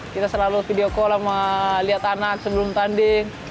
kita selalu video call sama lihat anak sebelum tanding